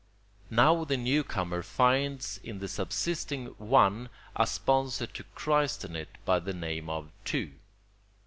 Now the newcomer finds in the subsisting One a sponsor to christen it by the name of Two.